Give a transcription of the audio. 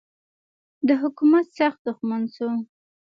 د حکومت سخت دښمن سو.